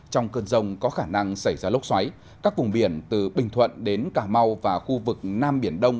trong cơn rông có khả năng xảy ra lốc xoáy các vùng biển từ bình thuận đến cà mau và khu vực nam biển đông